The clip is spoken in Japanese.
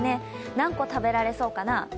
何個食べられそうかな？